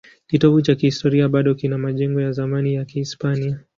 Kitovu cha kihistoria bado kina majengo ya zamani ya Kihispania.